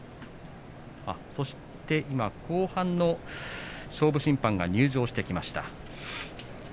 そして後半の勝負審判が入場してきました。